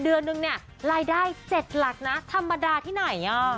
เดือนนึงเนี่ยรายได้๗หลักนะธรรมดาที่ไหน